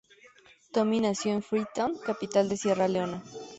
Tommy nació en Freetown, capital de Sierra Leona.